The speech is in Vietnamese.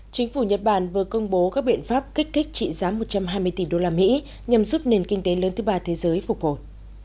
chính phủ nhật bản vừa công bố các biện pháp kích thích trị giá một trăm hai mươi tỷ usd nhằm giúp nền kinh tế lớn thứ ba thế giới phục hồi